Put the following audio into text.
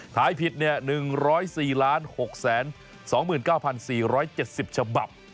ถ่ายผิดเนี่ย๑๐๔๖๒๙๔๗๐ฉบับ